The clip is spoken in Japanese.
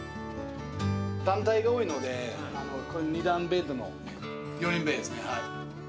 団体が多いので、こういう２段ベッドの４人部屋ですね。